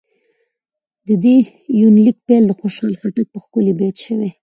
د دې يونليک پيل د خوشحال خټک په ښکلي بېت شوې